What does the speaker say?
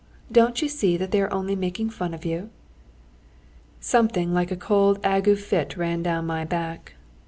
Don't you see that they are only making fun of you?" Something like a cold ague fit ran down my back.